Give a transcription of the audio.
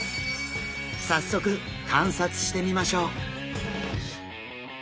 早速観察してみましょう。